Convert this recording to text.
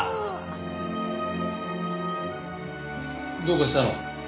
どうかしたの？